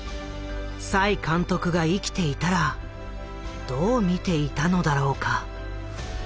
栽監督が生きていたらどう見ていたのだろうか。